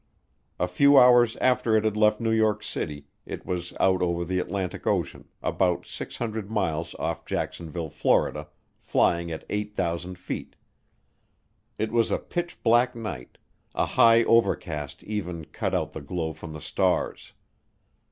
A few hours after it had left New York City it was out over the Atlantic Ocean, about 600 miles off Jacksonville, Florida, flying at 8,000 feet. It was a pitch black night; a high overcast even cut out the glow from the stars.